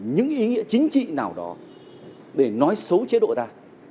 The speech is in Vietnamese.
những ý nghĩa chính trị nào đó để nói xấu chế độ ta